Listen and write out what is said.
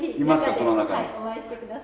この中に。